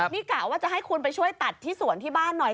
นี่กะว่าจะให้คุณไปช่วยตัดที่สวนที่บ้านหน่อย